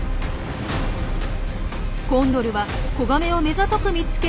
コンドルは子ガメを目ざとく見つけ